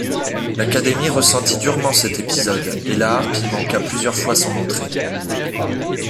L’Académie ressentit durement cet épisode, et La Harpe y manqua plusieurs fois son entrée.